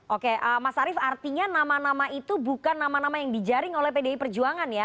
oke mas arief artinya nama nama itu bukan nama nama yang dijaring oleh pdi perjuangan ya